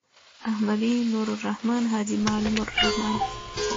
احمدی.نوالرحمن.حاجی معلم الرحمن